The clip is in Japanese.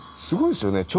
すごいっすよね。